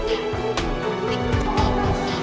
aku tidak mau